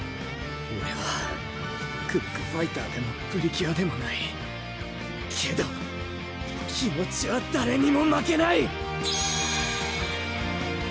オレはクックファイターでもプリキュアでもないけど気持ちは誰にも負けない！